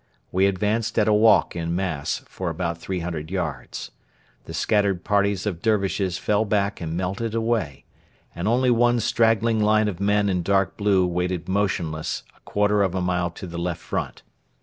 We advanced at a walk in mass for about 300 yards. The scattered parties of Dervishes fell back and melted away, and only one straggling line of men in dark blue waited motionless a quarter of a mile to the left front.